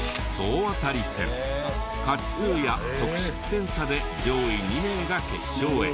勝ち数や得失点差で上位２名が決勝へ。